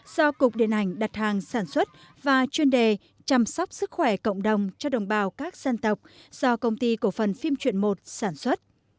do cục điện ảnh đặt hàng sản xuất và chuyên đề chăm sóc sức khỏe cộng đồng cho đồng bào các dân tộc do công ty cổ phần phim truyện một sản xuất